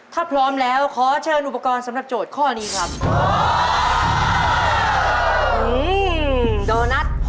ถ้าพร้อมแล้วขอเชิญอุปกรณ์สำหรับโจทย์ข้อนี้ครับ